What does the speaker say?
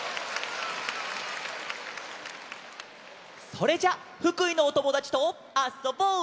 それじゃあ福井のおともだちとあそぼう！